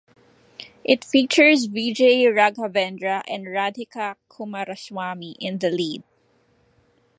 It features Vijay Raghavendra and Radhika Kumaraswamy in the lead.